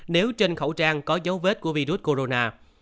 nếu trên khẩu trang có dấu vết của virus corona